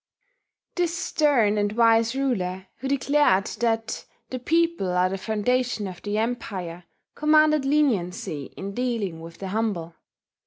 This stern and wise ruler, who declared that "the people are the foundation of the Empire," commanded leniency in dealing with the humble.